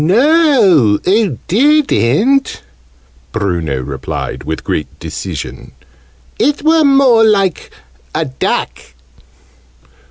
"No, oo didn't," Bruno replied with great decision. "It were more like a duck."